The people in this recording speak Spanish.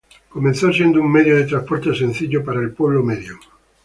Comenzó siendo un medio de transporte sencillo, para el pueblo medio.